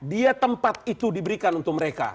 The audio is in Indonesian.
dia tempat itu diberikan untuk mereka